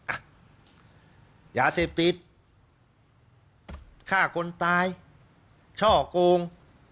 อ่ะยาเซปิดฆ่าคนตายเชาะโกง